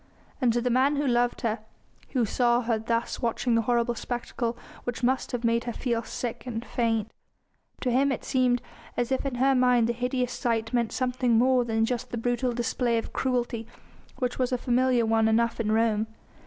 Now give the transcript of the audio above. And to the man who loved her, and who saw her thus watching the horrible spectacle which must have made her feel sick and faint, to him it seemed as if in her mind the hideous sight meant something more than just the brutal display of cruelty which was a familiar one enough in Rome.